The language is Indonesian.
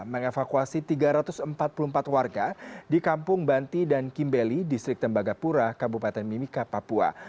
mengevakuasi tiga ratus empat puluh empat warga di kampung banti dan kimbeli distrik tembagapura kabupaten mimika papua